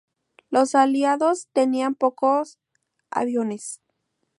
Los aliados tenían pocos aviones.